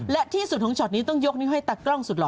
และที่สุดของช็อตนี้ต้องยกนิ้วให้ตากล้องสุดหล